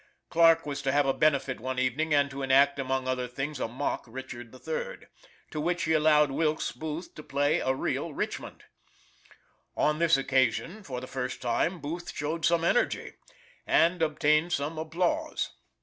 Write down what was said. Clarke was to have a benefit one evening, and to enact, among other things, a mock Richard III., to which he allowed Wilkes Booth to play a real Richmond. On this occasion, for the first time, Booth showed some energy, and obtain some applause.